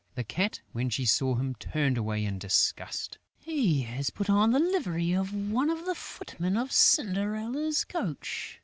The Cat, when she saw him, turned away in disgust: "He has put on the livery of one of the footmen of Cinderella's coach....